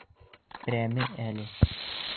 Прәме әле.